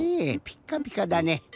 ピッカピカだね。